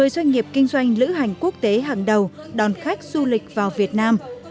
một mươi doanh nghiệp kinh doanh lữ hành quốc tế hàng đầu đòn khách du lịch vào việt nam